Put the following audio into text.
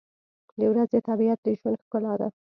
• د ورځې طبیعت د ژوند ښکلا ده.